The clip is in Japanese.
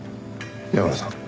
山野さん